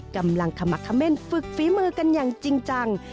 กำลังขมักเขม่นฝึกฝีมือกันอย่างจริงจัง